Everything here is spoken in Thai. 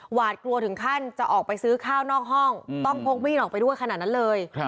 หวาดกลัวถึงขั้นจะออกไปซื้อข้าวนอกห้องต้องพกมีดออกไปด้วยขนาดนั้นเลย